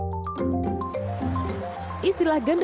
istilah genruwo pernyataan yang terkenal di indonesia